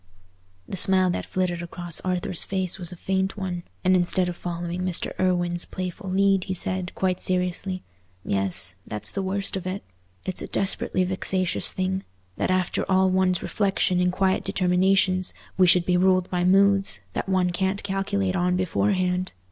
The smile that flitted across Arthur's face was a faint one, and instead of following Mr. Irwine's playful lead, he said, quite seriously—"Yes, that's the worst of it. It's a desperately vexatious thing, that after all one's reflections and quiet determinations, we should be ruled by moods that one can't calculate on beforehand.